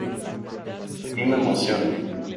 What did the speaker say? A mí me emociona.